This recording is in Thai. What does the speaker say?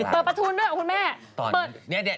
เปิดประทุนด้วยหรอคุณแม่